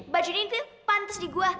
baju ini tuh pantes di gue